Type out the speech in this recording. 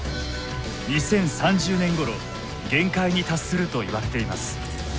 ２０３０年ごろ限界に達するといわれています。